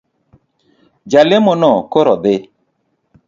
Jalemono koro dhii.